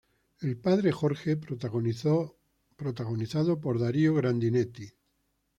El padre Jorge", protagonizado por Darío Grandinetti.